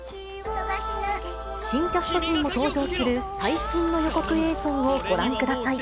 新キャスト陣も登場する最新の予告映像をご覧ください。